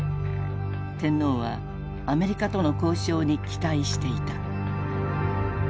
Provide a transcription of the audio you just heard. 天皇はアメリカとの交渉に期待していた。